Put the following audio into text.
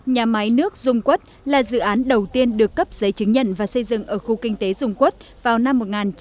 nhà máy nước dung quất là dự án đầu tiên được cấp giấy chứng nhận và xây dựng ở khu kinh tế dung quốc vào năm một nghìn chín trăm bảy mươi